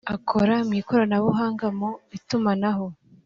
akora mw ikoranabuhanga mu itumanaho